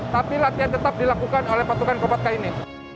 tapi latihan tetap dilakukan oleh pasukan kobatkah ini